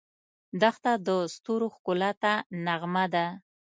دښته د ستورو ښکلا ته نغمه ده.